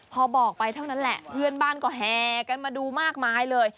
พอบอกไปเท่านั้นแหละเพื่อนบ้านก็แห่กันมาดูมากมายเลย